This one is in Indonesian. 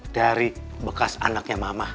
dari bekas anaknya mama